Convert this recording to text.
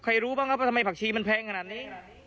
รู้บ้างครับว่าทำไมผักชีมันแพงขนาดนี้